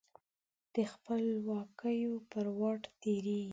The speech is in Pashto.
د خپلواکیو پر واټ تیریږې